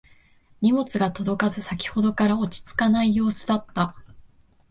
荷物が届かず先ほどから落ち着かない様子だった